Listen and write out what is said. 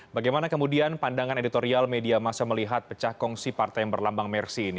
bagaimana kemudian pandangan editorial media masa melihat pecah kongsi partai yang berlambang mersi ini